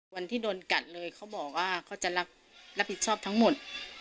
วันที่โดนกัดเลยเขาบอกว่าเขาจะรับผิดชอบทั้งหมด